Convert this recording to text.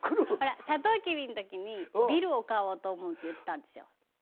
ほら「さとうきび」の時に「ビルを買おうと思う」って言ってたんですよ。